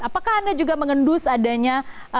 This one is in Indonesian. apakah anda juga mengendus adanya